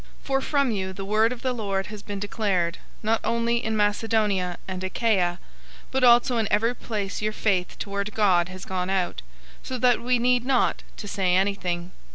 001:008 For from you the word of the Lord has been declared, not only in Macedonia and Achaia, but also in every place your faith toward God has gone out; so that we need not to say anything.